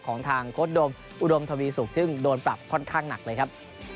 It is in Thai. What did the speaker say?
ของทางโค้ดโดมอุดมทวีสุกซึ่งโดนปรับค่อนข้างหนักเลยครับ